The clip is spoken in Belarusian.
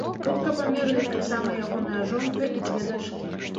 Хутка памерлі таксама ягоная жонка і дзве дачкі.